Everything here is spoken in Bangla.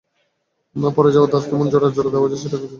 পড়ে যাওয়া দাঁত কেমন করে জোড়া দেওয়া যায় সেই চেষ্টা চলল কিছুক্ষণ।